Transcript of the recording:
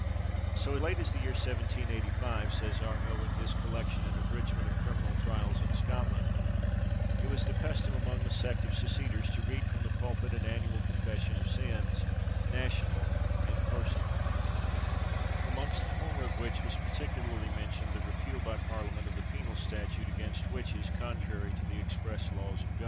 "So late as the year 1785," says Arnot, in his collection and abridgment of Criminal Trials in Scotland, "it was the custom among the sect of Seceders to read from the pulpit an annual confession of sins, national and personal; amongst the former of which was particularly mentioned the 'Repeal by parliament of the penal statute against witches, contrary to the express laws of God.'"